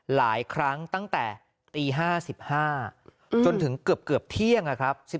หลายครั้งตั้งแต่ตี๕๕จนถึงเกือบเที่ยงนะครับ